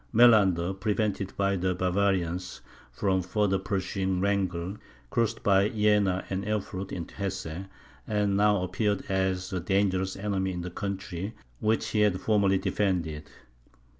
Melander, prevented by the Bavarians from further pursuing Wrangel, crossed by Jena and Erfurt into Hesse, and now appeared as a dangerous enemy in the country which he had formerly defended.